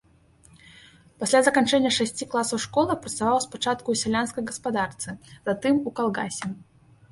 Пасля заканчэння шасці класаў школы працаваў спачатку ў сялянскай гаспадарцы, затым у калгасе.